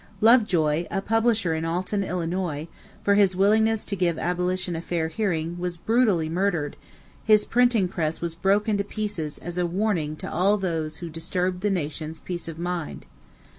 Lovejoy, a publisher in Alton, Illinois, for his willingness to give abolition a fair hearing, was brutally murdered; his printing press was broken to pieces as a warning to all those who disturbed the nation's peace of mind.